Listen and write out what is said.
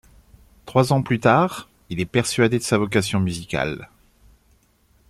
Trois ans plus tard, il est persuadé de sa vocation musicale.